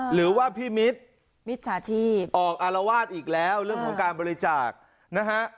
หรือว่าพี่มิตรมิจฉาชีพออกอารวาสอีกแล้วเรื่องของการบริจาคนะฮะ